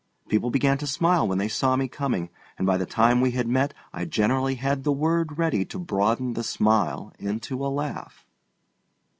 People began to smile when they saw me coming, and by the time we had met I generally had the word ready to broaden the smile into a laugh.